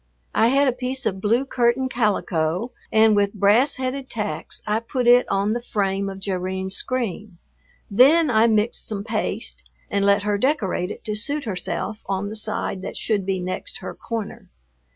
I had a piece of blue curtain calico and with brass headed tacks I put it on the frame of Jerrine's screen, then I mixed some paste and let her decorate it to suit herself on the side that should be next her corner.